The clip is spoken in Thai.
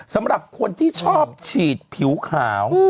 สำหรับคนที่ชอบฉีดผิวขาว